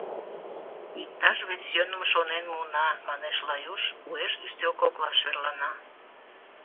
— Иктаж вес йӧным шонен муына, — манеш Лаюш, уэш ӱстел коклаш верлана.